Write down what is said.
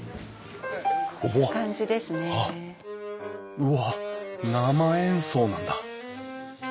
うわっ生演奏なんだ！